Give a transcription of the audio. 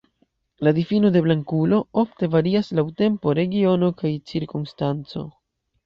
La difino de "blankulo" ofte varias laŭ tempo, regiono, kaj cirkonstanco.